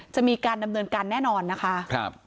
จะมีการดำเนินการแน่นอนนะคะ